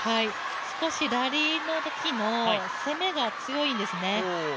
少しラリーの向きも、攻めが強いんですね。